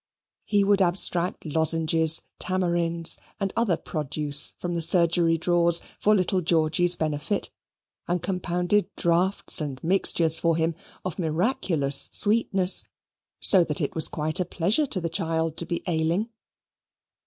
He would abstract lozenges, tamarinds, and other produce from the surgery drawers for little Georgy's benefit, and compounded draughts and mixtures for him of miraculous sweetness, so that it was quite a pleasure to the child to be ailing.